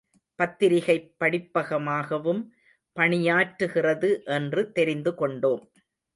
பத்திரிகைப் படிப்பகமாகவும் பணியாற்றுகிறது என்று தெரிந்து கொண்டோம்.